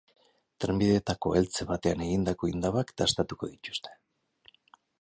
Trenbideetako eltze batean egindako indabak dastatuko dituzte.